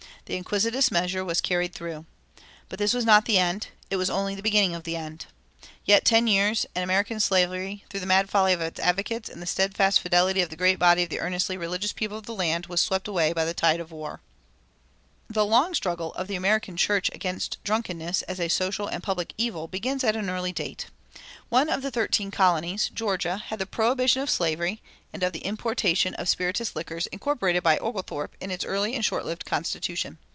The iniquitous measure was carried through. But this was not the end; it was only the beginning of the end. Yet ten years, and American slavery, through the mad folly of its advocates and the steadfast fidelity of the great body of the earnestly religious people of the land, was swept away by the tide of war. The long struggle of the American church against drunkenness as a social and public evil begins at an early date. One of the thirteen colonies, Georgia, had the prohibition of slavery and of the importation of spirituous liquors incorporated by Oglethorpe in its early and short lived constitution.